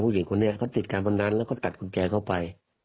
ผู้หญิงคนนี้เขาติดกันบนนั้นแล้วก็ตัดกุญแจเข้าไป